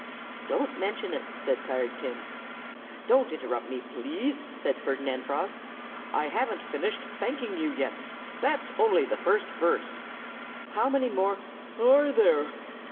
"Don't mention it!" said Tired Tim. "Don't interrupt me, please!" said Ferdinand Frog. "I haven't finished thanking you yet. That's only the first verse." "How many more are there?"